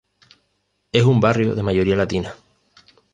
Es un barrio de mayoría latina.